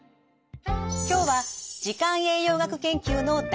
今日は時間栄養学研究の第一人者